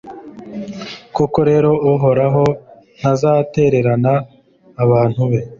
koko rero, uhoraho ntazatererana abantu be